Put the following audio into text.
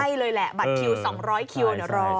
ให้เลยแหละบัตรคิว๒๐๐คิวเดี๋ยวรอ